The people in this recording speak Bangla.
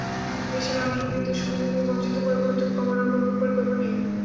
দেশের মানুষকে বিদ্যুৎ সুবিধা থেকে বঞ্চিত করে ভর্তুকি কমানোর কোনো পরিকল্পনা নেই।